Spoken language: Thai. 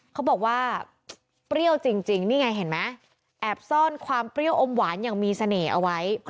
เขาบอกว่าเปรี้ยวจริงนี่ไงเห็นไหมแอบซ่อนความเปรี้ยวอมหวานอย่างมีเสน่ห์เอาไว้